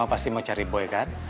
pasti mau cari boy kan